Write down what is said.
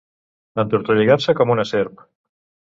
Entortolligar-se com una serp.